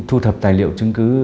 thu thập tài liệu chứng cứ